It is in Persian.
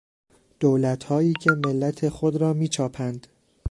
دولتهایی که ملت خود را میچاپند